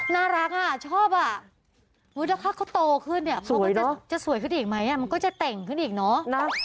น่ารักชอบแล้วถ้าเขาโตขึ้นจะสวยขึ้นอีกไหมมันก็จะเต่งขึ้นอีกเนอะ